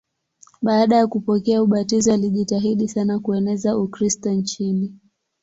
Baada ya kupokea ubatizo alijitahidi sana kueneza Ukristo nchini.